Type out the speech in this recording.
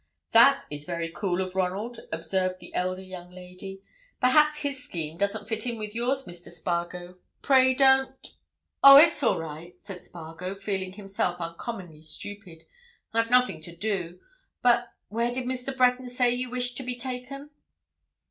"That is very cool of Ronald," observed the elder young lady. "Perhaps his scheme doesn't fit in with yours, Mr. Spargo? Pray don't—" "Oh, it's all right!" said Spargo, feeling himself uncommonly stupid. "I've nothing to do. But—where did Mr. Breton say you wished to be taken?"